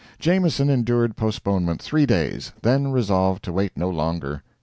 Jameson endured postponement three days, then resolved to wait no longer.